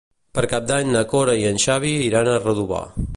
Per Cap d'Any na Cora i en Xavi iran a Redovà.